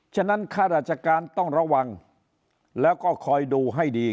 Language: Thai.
ฉะนั้นข้าราชการต้องระวังแล้วก็คอยดูให้ดี